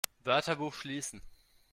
Wörterbuch schließen!